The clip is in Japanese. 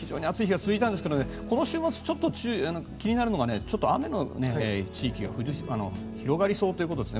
日中、暑い日が続きましたがこの週末、ちょっと気になるのが雨の地域が広がりそうということですね。